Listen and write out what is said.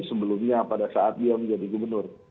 sebelumnya pada saat dia menjadi gubernur